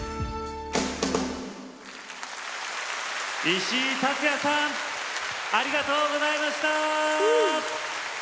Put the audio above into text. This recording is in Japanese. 石井竜也さんありがとうございました。